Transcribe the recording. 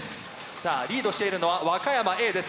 さあリードしているのは和歌山Ａです。